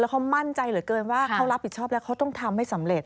ว่าเขารับผิดชอบแล้วเขาต้องทำให้สำเร็จ